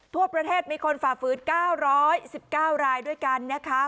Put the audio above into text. ทั่วประเทศมีคนฝ่าฝืน๙๑๙รายด้วยกันนะคะ